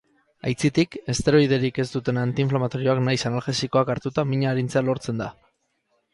Aitzitik, esteroiderik ez duten antiinflamatorioak nahiz analgesikoak hartuta mina arintzea lortzen da.